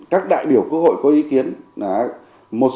các đại biểu của hội có ý kiến là một